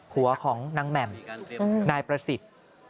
ของนางแหม่มนายประสิทธิ์